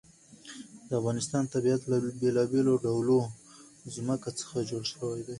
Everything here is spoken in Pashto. د افغانستان طبیعت له بېلابېلو ډولو ځمکه څخه جوړ شوی دی.